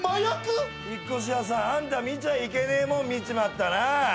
引越し屋さんあんた見ちゃいけねえもん見ちまったな。